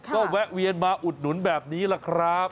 ก็แวะเวียนมาอุดหนุนแบบนี้แหละครับ